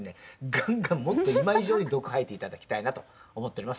ガンガンもっと今以上に毒吐いて頂きたいなと思っております。